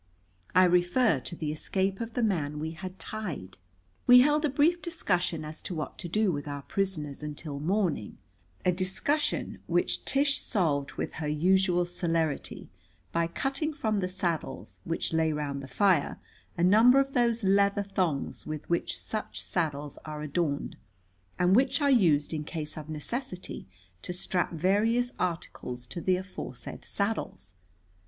I refer to the escape of the man we had tied. We held a brief discussion as to what to do with our prisoners until morning, a discussion which Tish solved with her usual celerity by cutting from the saddles which lay round the fire a number of those leather thongs with which such saddles are adorned and which are used in case of necessity to strap various articles to the aforesaid saddles.